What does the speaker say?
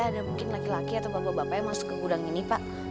ada mungkin laki laki atau bapak bapak yang masuk ke gudang ini pak